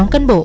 sáu cán bộ